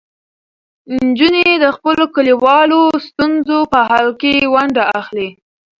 نجونې د خپلو کلیوالو ستونزو په حل کې ونډه اخلي.